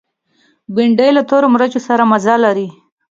بېنډۍ له تور مرچ سره مزه لري